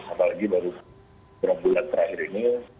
apalagi baru beberapa bulan terakhir ini